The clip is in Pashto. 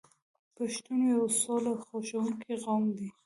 پښتون یو سوله خوښوونکی قوم دی.